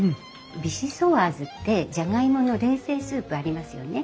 ビシソワーズってじゃがいもの冷製スープありますよね。